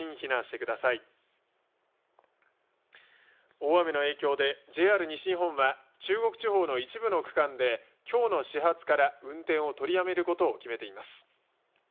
大雨の影響でＪＲ西日本は中国地方の一部の区間できょうの始発から運転を取りやめることを決めています。